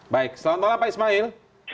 baik selamat malam pak ismail